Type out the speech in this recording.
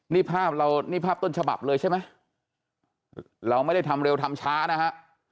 นี่ภาพเรานี่ภาพต้นฉบับเลยใช่ไหมเราไม่ได้ทำเร็วทำช้านะฮะ